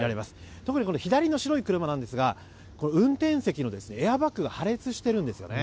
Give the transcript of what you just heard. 特に左の白い車ですが運転席のエアバッグが破裂しているんですよね。